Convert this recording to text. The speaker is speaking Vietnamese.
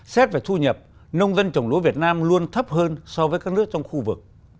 xét về thu nhập nông dân trồng lúa việt nam luôn thấp hơn so với các nước trong khu vực